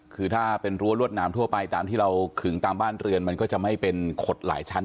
คือถ้าเป็นรั้วรวดหนามทั่วไปตามที่เราขึงตามบ้านเรือนมันก็จะไม่เป็นขดหลายชั้น